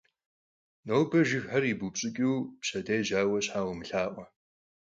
Нобэ жыгхэр ибупщӀыкӀу, пщэдей жьауэ щхьа умылъаӀуэ.